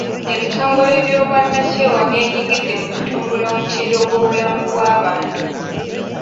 Ebitongole by'obwannakyewa byenyigidde mu kutumbula omutindo gw'obulamu bw'abantu.